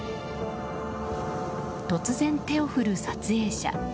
突然、手を振る撮影者。